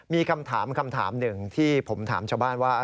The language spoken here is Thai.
มีคำถามคำถามหนึ่งที่ผมถามชาวบ้านว่า